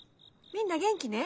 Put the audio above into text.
みんな元気ね？